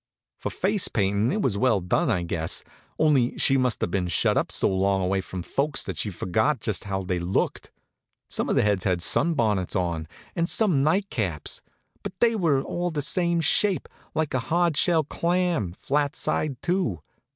For face paintin' it was well done, I guess, only she must have been shut up so long away from folks that she'd sort of forgot just how they looked. Some of the heads had sunbonnets on, and some nightcaps; but they were all the same shape, like a hardshell clam, flat side to.